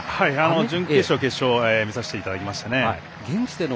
準決勝、決勝を見させていただきました。